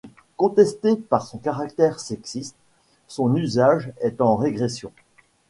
Contesté pour son caractère sexiste, son usage est en régression.